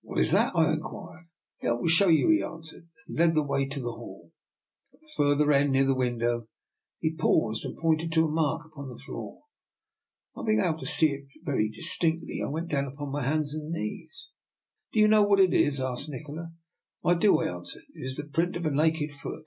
What is that?" I inquired. I will show you," he answered, and led the way to the hall. At the further end, near the window, he paused and pointed to a mark upon the floor. Not being able to see it very distinctly, I went down upon my hands and knees. " Do you know what it is? " asked Nikola. " I do," I answered. " It is the print of a naked foot."